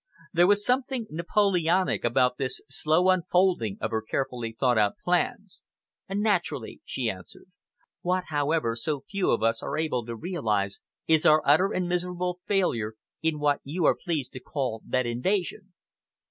There was something Napoleonic about this slow unfolding of her carefully thought out plans. "Naturally," she answered. "What, however, so few of us are able to realize is our utter and miserable failure in what you are pleased to call that invasion."